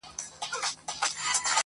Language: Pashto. چي له غله سره د کور د سړي پل وي.!